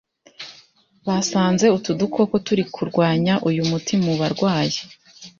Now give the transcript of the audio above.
Basanze utu dukoko turi kurwanya uyu muti mu barwayi